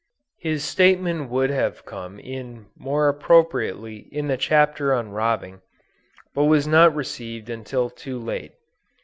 His statement would have come in more appropriately in the Chapter on Robbing, but was not received until too late.